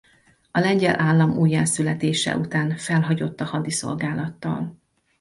A lengyel állam újjászületése után felhagyott a hadi szolgálattal.